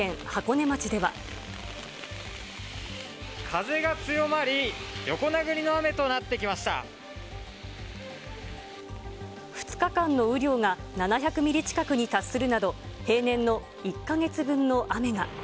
風が強まり、２日間の雨量が７００ミリ近くに達するなど、平年の１か月分の雨が。